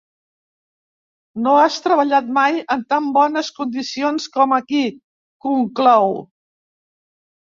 No has treballat mai en tan bones condiciones com aquí —conclou.